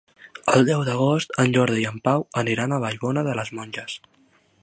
El deu d'agost en Jordi i en Pau aniran a Vallbona de les Monges.